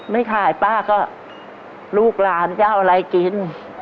ไม่ขายป้าก็ลูกหลานจะเอาอะไรกิน